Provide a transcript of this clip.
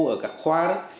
ở các khoa đó